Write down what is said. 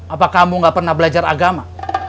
apa kamu gak pernah belajar agama